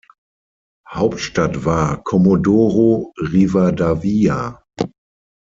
Hauptstadt war Comodoro Rivadavia.